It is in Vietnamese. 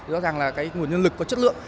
rõ ràng là cái nguồn nhân lực có chất lượng